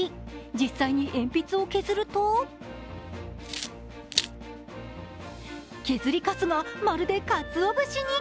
実際に鉛筆を削ると、削りかすがまるでかつお節に。